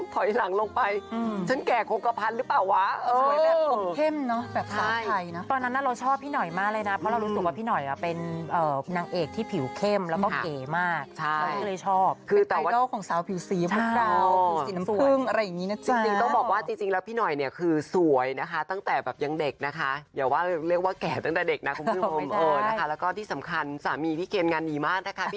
ถอยหลังลงไปฉันแก่โครงกระพันธุ์หรือเปล่าอะ